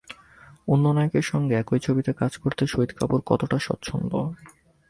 অন্য নায়কের সঙ্গে একই ছবিতে কাজ করতে শহীদ কাপুর কতটা স্বচ্ছন্দ?